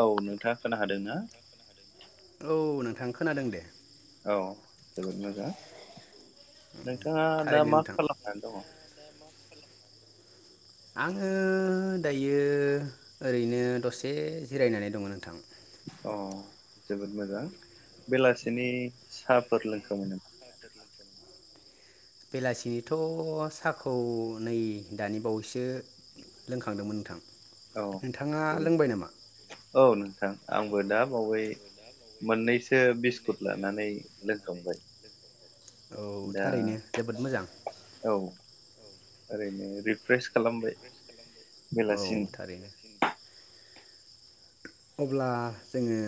औ नोंथाङा खोना हादों ना? औ नोंथां खोनादों दे। औ जोबोद मोजां। नोंथाङा दा मा खालामनानै दङ। आङो दायो ओरैनो दसे जिरायनानै दङ नोंथां अ जोबोद मोजां बेलासिनि साहाफोर लोंखांबाय नामा साहाफोर लोंखांबाय नामा बेलासिनिथ' साहाखौ नै दानि बावैसो लोंखांदोंमोन नोंथां औ ज औ नोंथां आंबो दा बावै मोननैसो बिस्कुट लानानै लोंखांबाय औ थारैनो जोबोद मोजां ओरैनो रिफ्रेस खालामबाय औ थारैनो अब्ला जोङो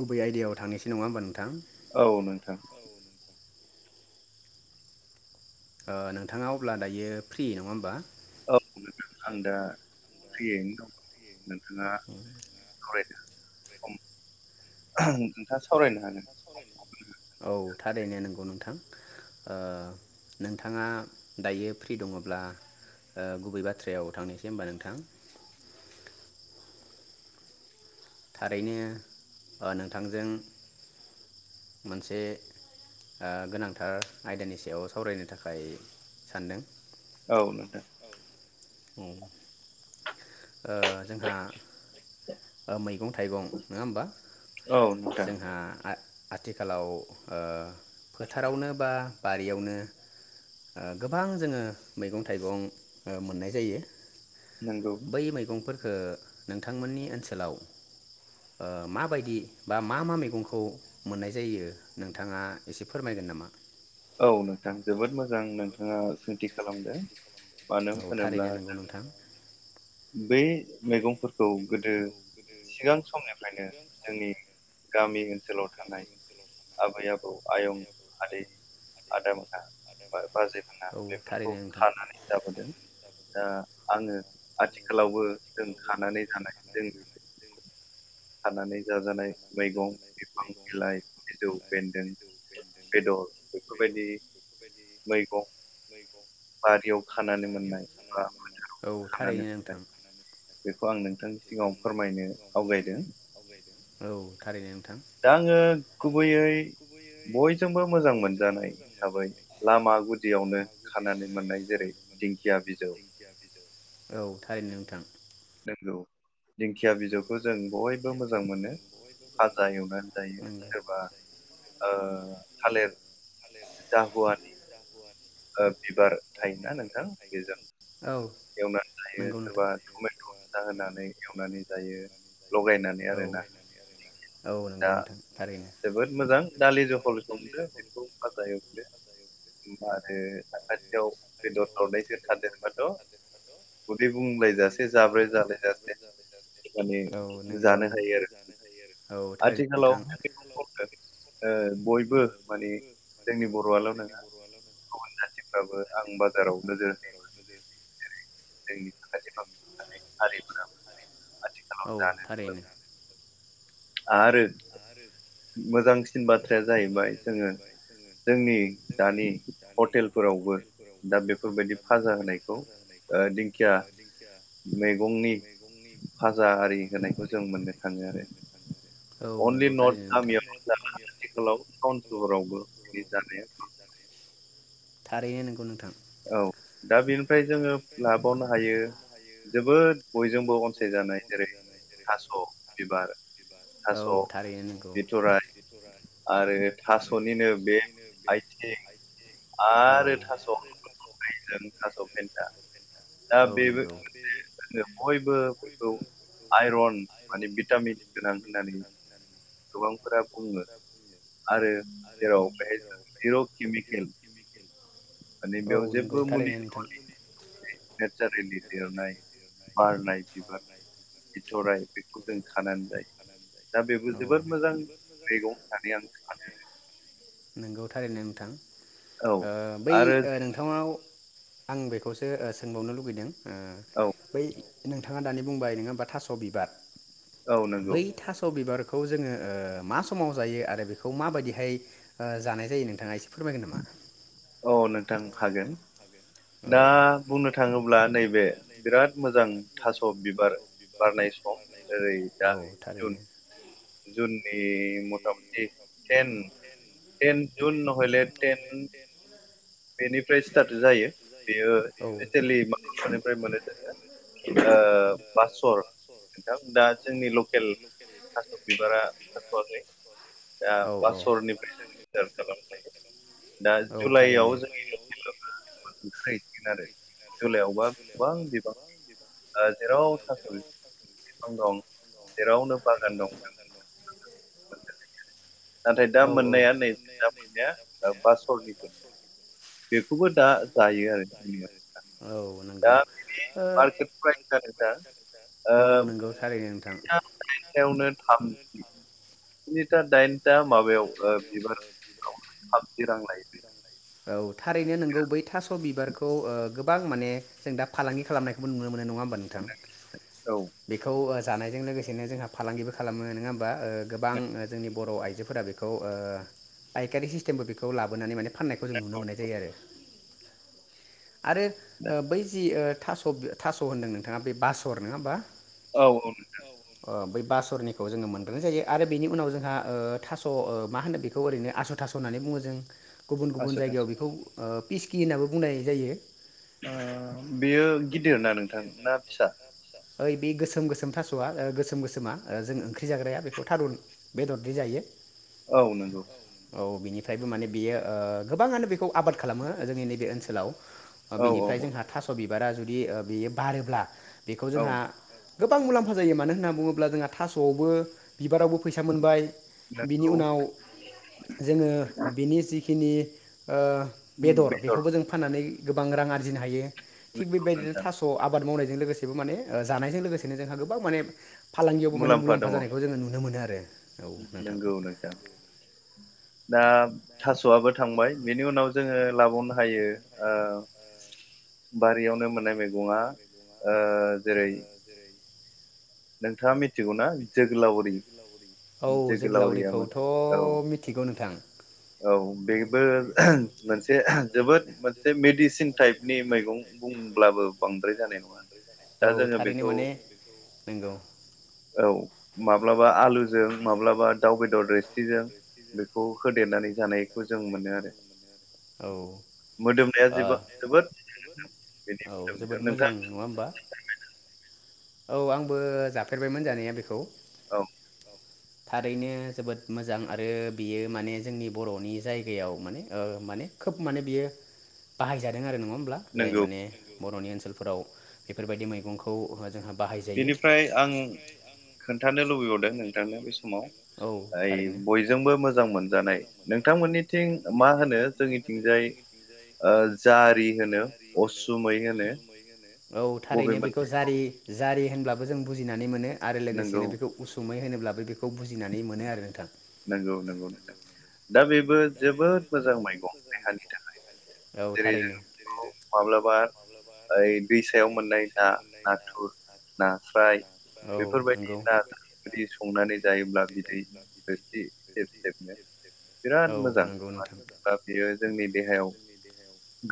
गुबै आयदायाव थांनोसै नङा होमबा नोंथां औ नोंथां ओ नोंथाङा अब्ला दायो फ्रि नङा होमबा औ नोंथां आं दा फ्रियैनो दं नोंथाङा सावरायनो सम नोंथाङा सावरायनो हागोन समखौ औ थारैनो नंगौ नोंथां ओ नोंथाङा दायो फ्रि दङब्ला ओ गुबै बाथ्रायाव थांनोसै होमबा नोंथां थारैनो ओ नोंथांजों मोनसे ओ गोनांथार आयदानि सायाव सावरायनो थाखाय सानदों औ नोथां उम ओ जोंहा ओ मैगं थाइगं नङा होमबा जोंहा आथिखालाव ओ फोथारावनो बा बारियावनो ओ गोबां जोङो मैगं थाइगं ओ मोननाय जायो। जायो बै मैगंफोरखौ ओ नोंथांमोननि ओनसोलाव ओ माबायदि बा मा मा मैगंखौ मोननाय जायो नोंथाङा एसे फोरमायगोन नामा? औ नोंथां जोबोद मोजां नोंथां ओ सोंथि खालामदों मानो होनोब्ला जों बे मैगंफोरखौ गोदो सिगां समनिफ्रायनो जोंनि गामि ओनसोलाव थानाय आबै आबौ आयं आदै आदा मोना बा बाजै मोना बेफोरखौ खानानै जाबोदों दा आङो आथिखालावबो बो जों खानानै जानाय जोंनि खानानै जाजानाय मैगं बिफां बिलाइ बिजौ बेन्दों बेदर बेफोरबायदि मैगं बारियाव खानानै मोननाय बा फोथोराव खानानै मोननाय बेखौ आं नोंथांनि सिगाङाव फोरमायनो आवगायदों दा आङो गुबैयै बयजोंबो मोजां मोन मोनजानाय हिसाबै लामा गुदियावनो खानानै मोननाय जेरै दिंखिया बिजौ नंगौ दिंखिया बिजौखौ जों बयबो मोजां मोनो फाजा एवनानै जायो सोरबा ओ थालिर जाहुवानि ओ बिबार थायोना नोंथां बेजों एवनानै जायो सोरबा टमेट' फिसा होनानै एवनानै जायो। लगायनानै आरोना दा जोबोद मोजां दालि जखल संदो बेखौ फाजा एवदो [inaudible] औ नं थायो आरो आथिखालावहाय बेनो [unintelligible] ओ बयबो माने जोंनि बर'आल' नङा गुबुन जाथिफ्राबो आं बाजाराव नोजोरनि जेरै- जोंनि साखाथि फांसिन थानाय हारिफोराबो आथिखालाव जानाय आरो मोजांसिन बाथ्राया जाहैबाय जोङो जोंनि दानि हटेलफोरावबो दा बेफोरबायदि फाजा होनायखौ ओ दिंखिया मैगंनि फाजा आरि होनायखौ जों मोननो थाङो आरो औ नोंगौ थारैनो [inaudible] थारैनो नोंगौ नोंथां। औ दा बेनिफ्राय जोङो लाबावनो हायो जोबोद बयजोंबो अनसायजानाय जेरै- थास' बिबार औ थारैनो नंगौ बिथ'राय आरो थास'निनो बे आइथिं आरो थास' दैजों थास' फेन्था दा बेबो [inaudible] बयबो बेखौ आइरन माने भिटामिन गोनां होनना गोबांफोरा बुङो आरो जेराव बे जिर' केमिकेल माने बेयाव जेबो मुलि [inaudible] नेचारेलि देरनाय बारनाय बिबार बिथ'राय बेखौ जों खानानै जायो दा बेबो जोबोद मोजां मैगं होननानै आं सानो थारैनो नोंथां ओ बै ओ नोंथांनाव आं बेखौसो ओ सोंबावनो लुुबैदों ओ बै नोंथाङा दानि बुंबाय नङा होनबा थास' बिबार बै थास' बिबारखौ खौ जोङो ओ मा समाव जायो आरो बेखौ माबायदिहाय ओ जानाय जायो नोंथाङा एसे औ नोंथां हागोन दा बुंनो थाङोब्ला नैबे औ थारैनो जुननि मथा मथि टेन टेन जुन नहैले टेन बेनिफ्राय स्टार्ट जायो [unintelligible] औ सर दा जोंनि लकेल [unintelligible] औ-औ [unintelligible] दा जुलाइयाव [unintelligible] ओंखारहैसिगोन आरो जुलाइयावबा गोबां बिबां ओ जेराव थास' बिफां दं जेरावनो बागान दं औ-औ नाथाय दा मोननाया नैे दा मोननाया ओ बासरनिसो बेखौबो दा जायो आरो जोंनि मानसिया दा बिदि [inaudible] प्राइस आरो दा ओ [inaudible] थामजि मिटार सिनिटा दाइनथा माबायाव ओ [unintelligible] रां लायो औ थारैनो नोंगौ बै थास बिबार खौ ओ गोबां माने जों दा फालांगि खालामनायखौबो नुनो मोननाय नङा होम बा नोंथां बेखौ ओ जानायजों लोगोसेनो जोंहा फालांगिबो खालामो नोङा होमबा ओ गोबां ओ जोंनि बर आइजोफोरा बेखौ ओ पायकारि सिस्टेमबो बेखौ लाबोनानै माने फाननायखौ जों नुनो मोननाय जायो आरो। आरो बै जि ओ थास'ब-थास' होन्दों नोंथाङा बे बासर नङा होमबा। [inaudible] अ बै बासरनिखौ जोङो मोनबोनाय जायो आरो बेनि उनाव जों हा ओ थास ओ मा होनो बेखौ ओरैनो आस थास होननानै बुङो जों। गुबुन-गुबुन जायगायाव बेखौ ओ पिसकि होननाबो बुंनाय जायो। ओ बेयो गिदिर ना नोंथां ना फिसा ओइ बे गोसोम-गोसोम थास'आ ओ गोसोम-गोसोमा ओ जों ओंख्रि जाग्राया बेखौ थारुन बेदरदो जायो। औ नंगौ औ बिनिफ्रायबो माने बियो ओ गोबाङानो बेखौ आबाद खालामो जोंनि नैबे ओनसोलाव ओ बिनिफ्राय जोंहा थास' बिब बिबारा जुदि ओ बेयो बारोब्ला बेखौ जोंहा गोबां मुलाम्फा जायो मानो होनना बुङोब्ला जोंहा थासआवबो बिबारावबो फैसा मोनबाय बिनि उनाव जोङो बिनि जि खिनि ओ बेदर बेखौबो जों फाननानै गोबां रां आरजिनो हायो। थिग बेबायदिनो थास आबाद मावनाय जों लोगोसे बो माने जानायजों लोगोसेनो जोंहा गोबां माने फालांगियावबो माने मुलामफा जानायखौ जोङो नुनो मोनो आरो दे नोंगौ नोंथां दा थास'आबो थांबाय बेनि उनाव जोङो लाबावनो हायो ओ बारियावनो मोननाय मैगङा ओ जेरै नोंथाङा मिथिगौना जोगोलावरि जोगोलावरिया मोनसे औ औ बेबो मोनसे जोबोद मोनसे मेडिसिन टाइपनि मैगं। बुंब्लाबो बांद्राय जानाय नङा। दा जोङो बेखौ। नोंगौ औ माब्लाबा आलुजों माब्लाबा दाउ बेदर रोसिजों बेखौ होदेरनानै जानायखौ जों मोनो आरो औ ओ जोबाद [unintelligible] जोबोद मोजां नङा होमबा? औ आंबो जाफेरबायमोन जानाया बेखौ। औ थारैनो जोबोद मोजां आरो बियो माने जोंनि बर'नि जायगायाव माने माने खोब माने बियो बाहायजादों आरो नङा [unintelligible] होमब्ला जाय माने नंगौ। बर'नि ओनसोलफोराव। बेफोरबायदि मैगंखौ जोंहा। बेनिफ्राय आं खोन्थानो लुबैबावदों नोंथांनो बे समाव ओइ बयजोंबो मोजां मोनजानाय नोंथांमोननिथिं मा होनो जोंनिथिंजाय ओ जारि होनो उसुमै होनो। औ थारैनो बेखौ जारि जा जारि होनब्लाबो जों बुजिनानै मोनो। आरो लोगोसेनो बेखौ उसुमै होनो ब्लाबो बेखौ बुजिनानै मोनो आरो नोंथां। नोंगौ नोंगौ नोंथां दा बे। दा बेबो जोबोद मोजां मैगं देहानि औ थारैनो जेरै जों माब्लाबा ओइ दैसायाव मोननाय ना नाथुर ना औ नंगौ बेफोरबायदि नाजों जुदि संनानै जायोब्ला। रोसि सिथेब सिथेबनो बिराद मोजां दा बियो जोंनि देहायाव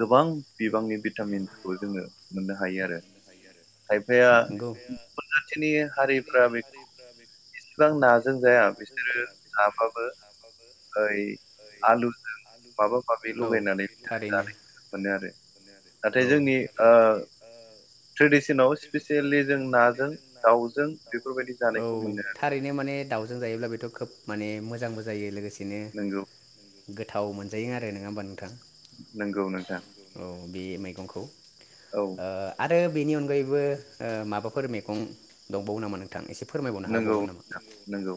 गोबां बिबांनि भि खौ जोङो मोननो हायो आरो खायफाया गुबुन जाथिनि हारिफ्रा बेखौ बिसिबां नाजों जाया बेसोर सोरो जाबाबो ओइ आलुजों माबा माबि लगायनानै बिसोर जानायखौ नुनो मोनो आरो। औ नाथाय जोंनि ट्रेडिसनाव स्पेसियेलि जों नाजों दाउजों औ थारैनो माने दाउजों जायोब्ला बेथ खोब माने मोजांबो जायो लोगोसे बिदिनो। गोथाव मोनजायो आरो नोङा होमबा नोंथां? नंगौ नोंथां। बे मैगं मैगंखौ आरो बेनि अनगायैबो माबाफोर मैगं दंबावो नामा नोंथां एसे नंगौ नंगौ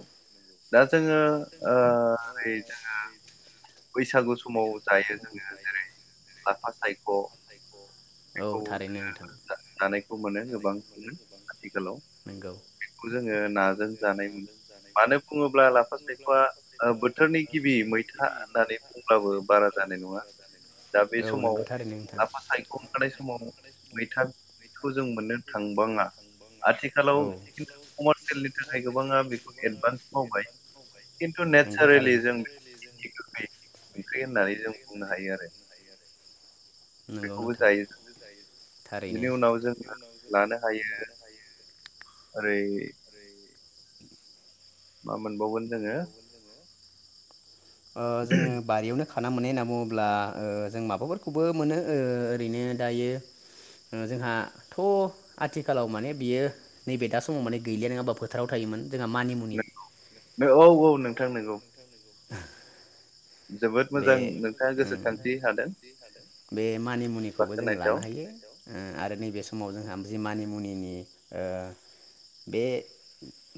दा जोङो ओ रै जाहा बैसागु बैसागु समाव जायो लाफा सायख' औ थारैनो नोंथां। मोनो गोबांखौनो आथिखालाव बेखौ जोङो ना जों जानाय मानो बुङोब्ला लाफा सायख'आ बोथोरनि गिबि मैथा बुंब्लाबो बारा जानाय नङा दा बे समाव लाफा सायख' ओंखारनाय समाव मैथाखौ जों मोननो थांबाङा आथिखालाव खिन्थु कमारसियलनि थाखाय गोबाङ एडभान्स मावबाय खिन्थु नेचारेलि जों बिखौ ओंख्रि होननानै जों बुंनो हायो आरो बेखौबो जायो जोङो। बेनि उनाव जों हा लानो हायो ओरै [unintelligible] मा मोनबावगोन जोङो? ओ जोङो बारियावनो खाना मोननाय होनना बुङोब्ला ओ जों माबाफोरखौबो मोनो ओ ओरैनो दायो जोंहाथ' आथिखालाव माने बियो नैबे दा समाव माने गैलिया नङा होमबा फोथाराव थायोमोन। जोंहा मानिमुनि औ-औ नोंथां नंगौ। [unintelligible] बे ओं बे मानिमुनिखौबो जोङो लानो हायो ओ आरो नैबे समाव जोंहा जि मानिमुनिनि ओ बे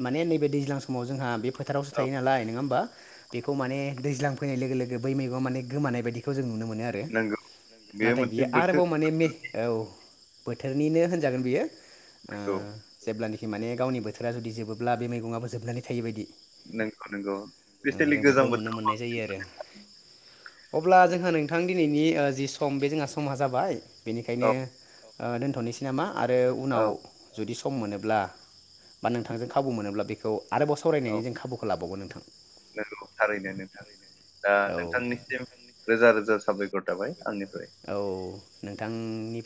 माने नैबे दैज्लां समाव जोंहा बे फोथारावो थायो नालय नोङा होमबा? बेखौ माने दैज्लां फैनाय लोगो लोगो गो बैगं मेगं आ माने गोमानायाबादिखौ जों नुनो मोन नो आरो नाथाय बियो आरोबाव माने मे औ बोथोरनिनो होनजागोन बियो। ओ जेब्लानि माने गावनि बोथोरा जुदि जोबोब्ला बे मैगं बो जोबनानै थायो बायदि नोंगौ नोंगौ स्पिसेलि गोजां बोथोराव बांसिन मोनो। अब्ला जोंहा नोंथां दिनैनि ओ जि सम बे जोंहा समहा जाबाय। बेनिखायनो ओ दोनथ'नोसै नामा? आरो उनाव जुदि स सम मोनोब्ला बा नोंथांजों खाबु मोनोब्ला बेखौ आरोबाव सरायनायनि जों खाबुखौ लाबावगोन नोंथां। [inaudible] नोंगौ थारैनो नोंथां। दा नोंथांनिसिम रोजा रोजा साबायखर थाबाय आंनिफ्राय।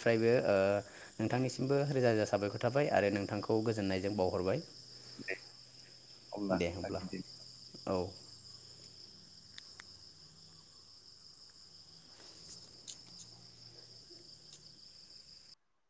फ्रायबो ओ नोंथांनिसिमबो रोजा रोजा साबायखर थाबाय आरो नोंथांखौ गोजोननायजों बावहरबाय। दे होमब्ला औ।